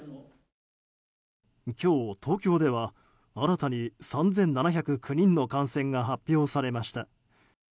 今日、東京では新たに３７０９人の感染が発表されました。